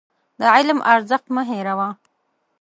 د علم ارزښت مه هېروه.